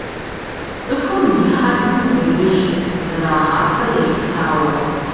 ЦӀыхум и хьэлым зеужь зэрагъасэ елъытауэ.